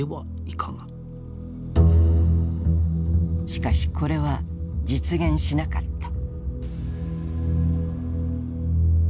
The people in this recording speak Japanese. しかしこれは実現しなかった。